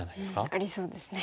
ありそうですね。